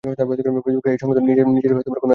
ফেসবুকে এই সাংসদের নিজের কোনো অ্যাকাউন্ট নেই।